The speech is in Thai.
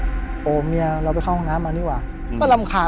ผมก็ไม่เคยเห็นว่าคุณจะมาทำอะไรให้คุณหรือเปล่า